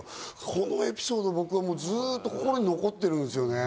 このエピソード、僕はずっと心に残ってるんですよね。